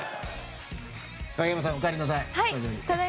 影山さん、おかえりなさい。